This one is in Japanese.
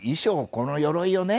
この鎧をね